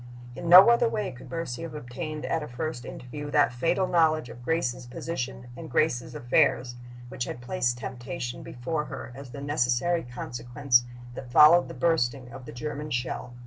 In no other way could Mercy have obtained at a first interview that fatal knowledge of Grace's position and Grace's affairs which had placed temptation before her as the necessary consequence that followed the bursting of the German shell.